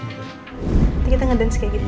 jadi kita ngedance kayak gitu